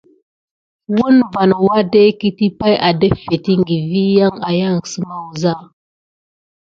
Woun van wadeket pay adaffetiŋgi vi yan ayangek səma wuza.